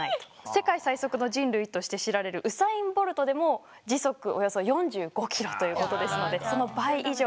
世界最速の人類として知られるウサイン・ボルトでも時速およそ４５ｋｍということですのでその倍以上。